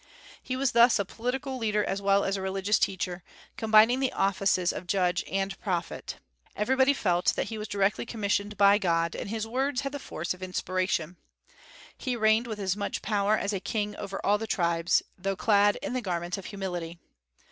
He was thus a political leader as well as a religious teacher, combining the offices of judge and prophet. Everybody felt that he was directly commissioned by God, and his words had the force of inspiration. He reigned with as much power as a king over all the tribes, though clad in the garments of humility.